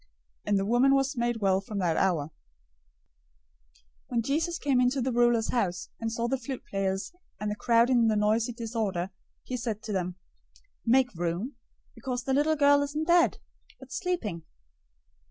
And the woman was made well from that hour. 009:023 When Jesus came into the ruler's house, and saw the flute players, and the crowd in noisy disorder, 009:024 he said to them, "Make room, because the girl isn't dead, but sleeping."